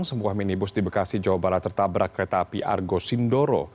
sebuah minibus di bekasi jawa barat tertabrak kereta api argo sindoro